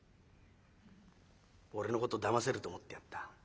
俺のことだませると思ってやんだ。